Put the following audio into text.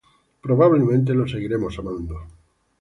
Probablemente lo seguiremos amando".